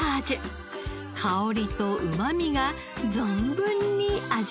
香りとうまみが存分に味わえます。